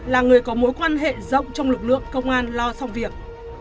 là người có mối quan hệ rộng trong lực lượng công an lo xong việc